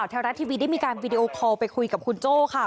พอหัวขาวตกใจมากเลยจ๊ะ